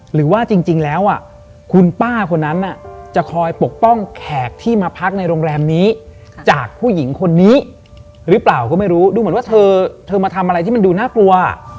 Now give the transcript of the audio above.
หรือว่าจริงแล้วคุณป้าคนนั้นจะคอยปกป้องแขกที่มาพักในโรงแรมนี้จากผู้หญิงคนนี้หรือเปล่าก็ไม่รู้ดูเหมือนว่าเธอมาทำอะไรที่มันดูน่ากลัว